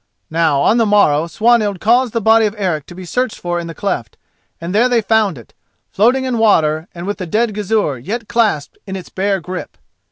Now, on the morrow, Swanhild caused the body of Eric to be searched for in the cleft, and there they found it, floating in water and with the dead Gizur yet clasped in its bear grip.